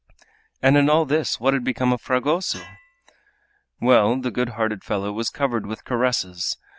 And in all this what had become of Fragoso? Well, the good hearted fellow was covered with caresses!